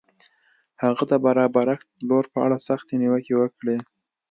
هغه د برابرښت پلور په اړه سختې نیوکې وکړې.